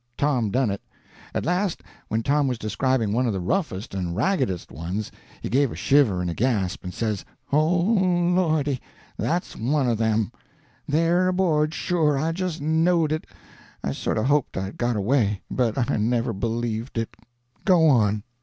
Tom done it. At last, when Tom was describing one of the roughest and raggedest ones, he gave a shiver and a gasp and says: "Oh, lordy, that's one of them! They're aboard sure—I just knowed it. I sort of hoped I had got away, but I never believed it. Go on."